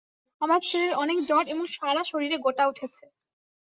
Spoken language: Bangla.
আমার ছেলের অনেক জ্বর এবং সারা শরীরে গোটা উঠেছে।